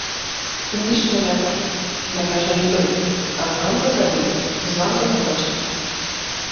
Ништо не кажав, не кажа ни тој, а знам дека виде, знам дека прочита.